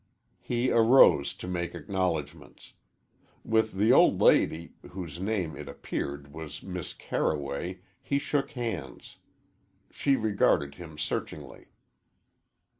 He arose to make acknowledgments. With the old lady, whose name, it appeared, was Miss Carroway, he shook hands. She regarded him searchingly.